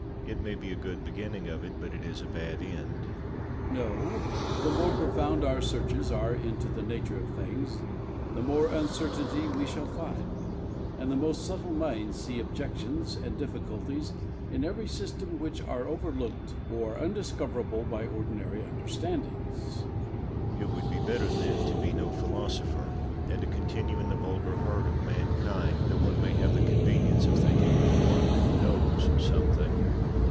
It may be a good beginning of it, but it is a bad end. Bayle. No; the more profound our searches are into the nature of things, the more uncertainty we shall find; and the most subtle minds see objections and difficulties in every system which are overlooked or undiscoverable by ordinary understandings. Locke. It would be better, then, to be no philosopher, and to continue in the vulgar herd of mankind, that one may have the convenience of thinking that one knows something.